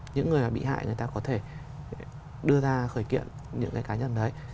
những người bị hại người ta có thể đưa ra khởi kiện những cái cá nhân đấy